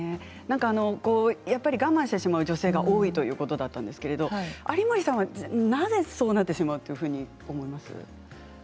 やっぱり我慢してしまう女性が多いということだったんですけど有森さんはなぜそうなってしまうと思いますか？